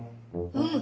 うん！